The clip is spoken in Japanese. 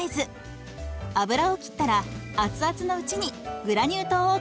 油を切ったら熱々のうちにグラニュー糖をからめます。